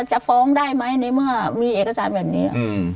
จะฟ้องได้ไหมในเมื่อมีเอกสารแบบนี้